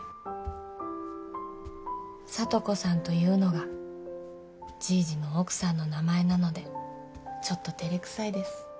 「里子さんというのがじいじの奥さんの名前なのでちょっと照れくさいです」